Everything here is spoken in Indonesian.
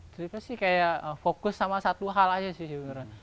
saya sih kayak fokus sama satu hal aja sih